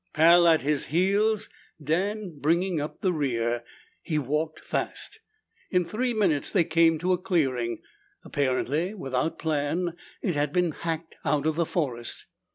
Pal at his heels, Dan bringing up the rear, he walked fast. In three minutes they came to a clearing. Apparently without plan, it had been hacked out of the forest.